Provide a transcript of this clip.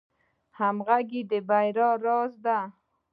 همغږي د بریا راز دی